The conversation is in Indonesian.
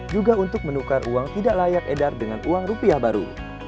juga untuk menukar uang tidak layak edar dengan uang rupiah baru